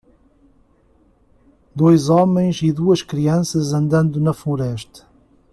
Dois homens e duas crianças andando na floresta.